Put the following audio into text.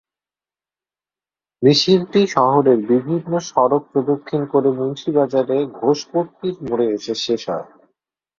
মিছিলটি শহরের বিভিন্ন সড়ক প্রদক্ষিণ করে মুন্সিবাজারে ঘোষপট্টির মোড়ে এসে শেষ হয়।